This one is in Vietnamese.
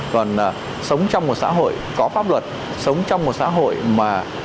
còn sống trong một xã hội có pháp luật sống trong một xã hội mà